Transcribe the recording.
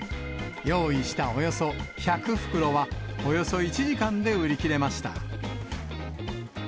用意したおよそ１００袋は、およそ１時間で売り切れました。